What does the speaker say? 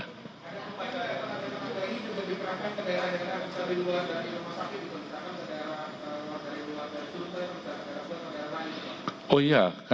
karena profesi kesehatan itu sudah diperangkat ke daerah yang ada di luar dari rumah sakit